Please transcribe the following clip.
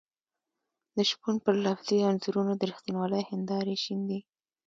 د شپون پر لفظي انځورونو د رښتینولۍ هېندارې شيندي.